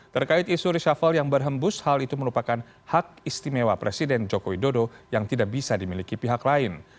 terkait isu reshuffle yang berhembus hal itu merupakan hak istimewa presiden joko widodo yang tidak bisa dimiliki pihak lain